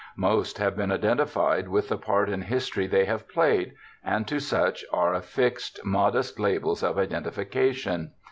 Most have been identified with the part in history they have played, and to such are affixed modest labels of identification.